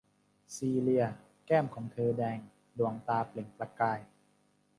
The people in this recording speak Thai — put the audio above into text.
ซีเลีย แก้มของเธอแดง ดวงตาเปล่งประกาย